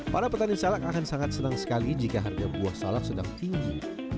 para petani salak akan sangat senang sekali jika harga buah salak sedang tinggi